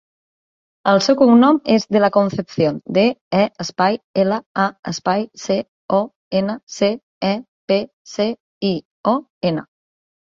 El seu cognom és De La Concepcion: de, e, espai, ela, a, espai, ce, o, ena, ce, e, pe, ce, i, o, ena.